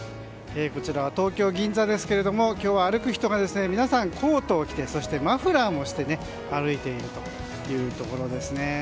こちらは東京・銀座ですが今日は歩く人が皆さん、コートを着てマフラーもして歩いているというところですね。